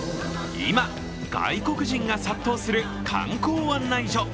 今、外国人が殺到する観光案内所。